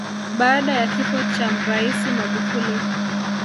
Baada ya kifo cha Mraisi Magufuli